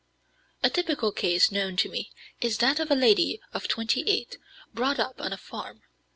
A typical case known to me is that of a lady of 28, brought up on a farm.